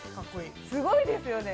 すごいですよね。